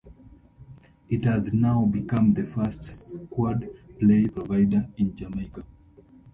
It has now become the first quad-play provider in Jamaica.